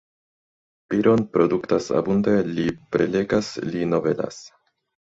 Piron produktas abunde, li prelegas, li novelas.